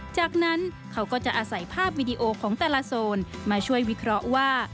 จากนั้นเขาก็จะอาศัยภาพวิดีโอของแต่ละโซนมาช่วยวิเคราะห์ว่า